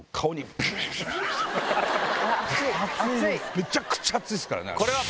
めちゃくちゃ熱いですから。